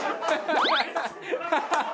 ハハハハ！